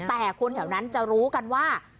แต่คนแถวนั้นจะรู้กันว่า